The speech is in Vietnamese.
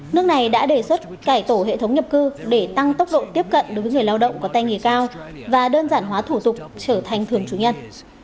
nước này đã đề xuất cải tổ hệ thống nhập cư để tăng tốc độ tiếp cận đối với người lao động có tay nghề cao và đơn giản hóa thủ tục trở thành thường chủ nhân